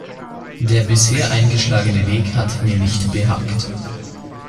Der bisher eingeschlagene Weg hat mir nicht behagt.